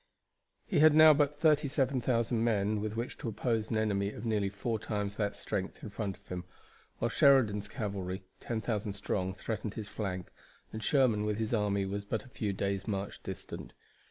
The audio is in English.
He had now but 37,000 men with which to oppose an enemy of nearly four times that strength in front of him, while Sheridan's cavalry, 10,000 strong, threatened his flank, and Sherman with his army was but a few days' march distant.